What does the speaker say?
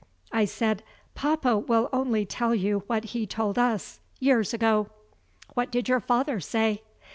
I said: "Papa will only tell you what he told us years ago." "What did your father say?"